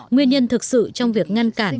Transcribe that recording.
nguyên nhân thực sự trong việc ngăn cản